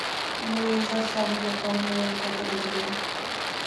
Мы заўсёды гатовыя да барацьбы.